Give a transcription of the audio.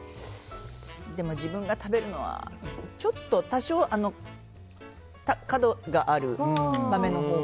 でも自分が食べるのは、多少角がある酸っぱめのほうが。